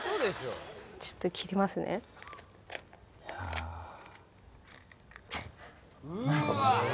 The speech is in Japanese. ちょっと切りますね